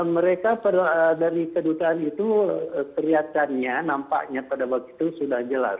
mereka dari kedutaan itu kelihatannya nampaknya pada waktu itu sudah jelas